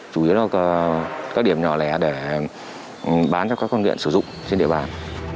chủ yếu là các điểm nhỏ lẻ để bán cho các con nghiện sử dụng trên địa bàn